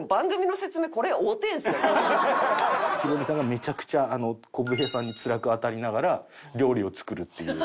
ホントこれヒロミさんがめちゃくちゃこぶ平さんにつらく当たりながら料理を作るっていう。